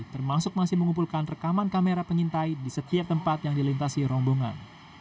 termasuk masih mengumpulkan rekaman kamera pengintai di setiap tempat yang dilintasi rombongan